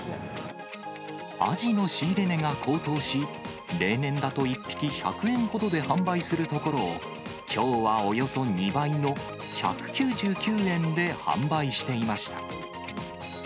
アジの仕入れ値が高騰し、例年だと１匹１００円ほどで販売するところを、きょうはおよそ２倍の１９９円で販売していました。